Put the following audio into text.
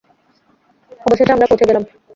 অবশেষে, আমরা পৌঁছে গেলাম।